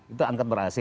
itu angkot ber ac